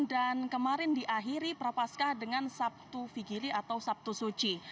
kemarin diakhiri prapaskah dengan sabtu fikiri atau sabtu suci